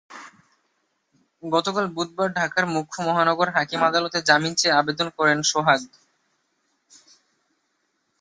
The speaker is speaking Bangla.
গতকাল বুধবার ঢাকার মুখ্য মহানগর হাকিম আদালতে জামিন চেয়ে আবেদন করেন সোহাগ।